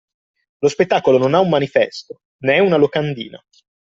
Lo spettacolo non ha un manifesto, né una locandina